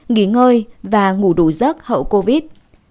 hai nghỉ ngơi và ngủ đủ giấc hậu covid